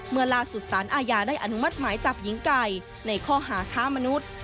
เมื่อล่าสุดสารอาญาได้อนุมัติหมายจับหญิงไก่ในข้อหาค้ามนุษย์